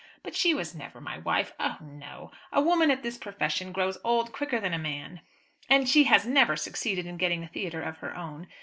But she was never my wife. Oh, no! A woman at this profession grows old quicker than a man. And she has never succeeded in getting a theatre of her own.